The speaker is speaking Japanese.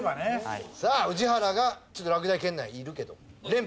さあ宇治原が落第圏内にいるけども。